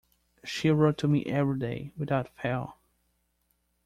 She wrote to me every day, without fail.